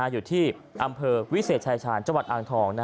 อยู่ที่อำเภอวิเศษชายชาญจังหวัดอ่างทอง